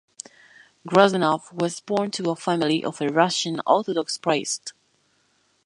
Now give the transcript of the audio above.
Gruzinov was born to a family of a Russian orthodox priest.